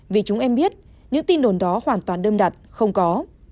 vì chúng em biết những tin đồn đó hoàn toàn đơn đặt không có